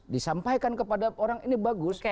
disampaikan kepada orang ini bagus